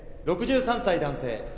６３歳男性。